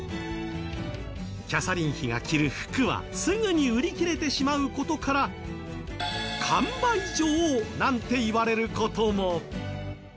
キャサリン妃が着る服はすぐに売り切れてしまうことから完売女王なんていわれることも。